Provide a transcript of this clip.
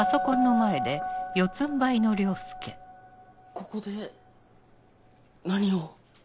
ここで何を？